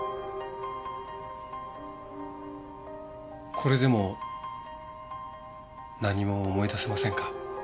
これでも何も思い出せませんか？